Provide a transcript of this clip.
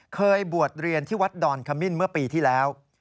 เคยบวชเรียนที่วัดดอนขมิ้นเมื่อปีที่แล้ว